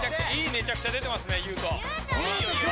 いいめちゃくちゃ出てますねユウト。